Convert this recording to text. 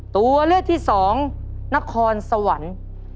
ตัวเลือกที่สองนครสวรรค์